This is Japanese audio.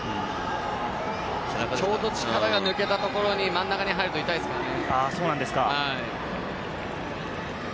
ちょうど力が抜けたところに真ん中に入ると痛いですよね。